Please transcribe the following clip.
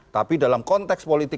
tapi dalam konteks politik